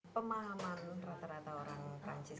pemahaman rata rata orang perancis